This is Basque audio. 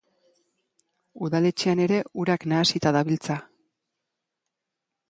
Udaletxean ere urak nahasita dabiltza.